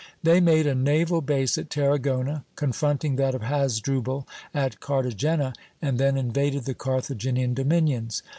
They made a naval base at Tarragona, confronting that of Hasdrubal at Cartagena, and then invaded the Carthaginian dominions.